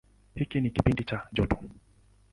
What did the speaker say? Hiki ni kipindi cha joto.